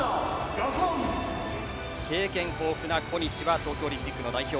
経験豊富な小西は東京オリンピックの代表。